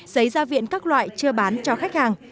giấy gia viện các loại chưa bán cho khách hàng